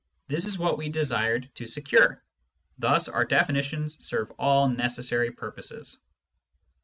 This is what we desired to secure. Thus our definitions serve all necessary purposes.